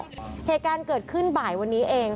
เพราะถูกทำร้ายเหมือนการบาดเจ็บเนื้อตัวมีแผลถลอก